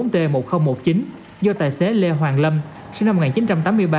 năm mươi bốn t một nghìn một mươi chín do tài xế lê hoàng lâm sinh năm một nghìn chín trăm tám mươi ba